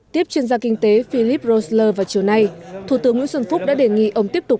tiếp chuyên gia kinh tế philip rosler vào chiều nay thủ tướng nguyễn xuân phúc đã đề nghị ông tiếp tục